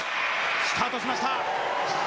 スタートしました。